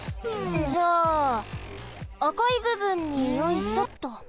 じゃああかいぶぶんによいしょっと。